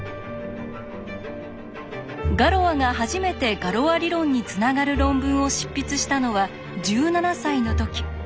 ガロアが初めてガロア理論につながる論文を執筆したのは１７歳の時。